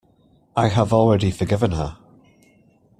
I have already forgiven her.